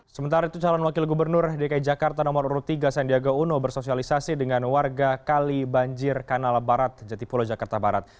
sementara itu calon wakil gubernur dki jakarta nomor tiga sandiaga uno bersosialisasi dengan warga kali banjir kanal barat jatipulo jakarta barat